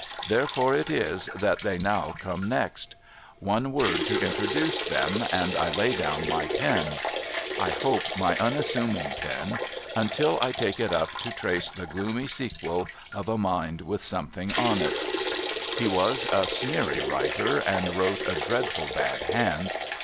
Therefore it is that they now come next. One word to introduce them, and I lay down my pen (I hope, my unassuming pen) until u sgo SOMEBODY'S LUGGAGE I take it up to trace the gloomy sequel of a mind with something on it. He \Yas a smeary writer, and wrote a dreadful bad hand.